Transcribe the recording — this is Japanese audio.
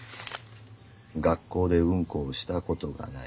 学校でウンコをしたことがない」。